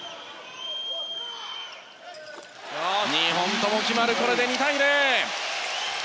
２本とも決まるこれで２対０！